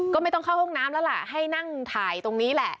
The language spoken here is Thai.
ก็ไม่ต้องเข้าห้องน้ำแล้วล่ะให้นั่งถ่ายตรงนี้แหละ